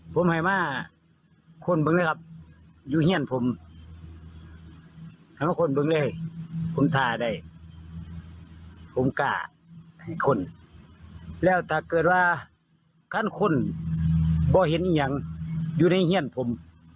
ผมกล้าให้คนแล้วถ้าเกิดว่าการคนบอกเห็นอย่างอยู่ในเฮียนผม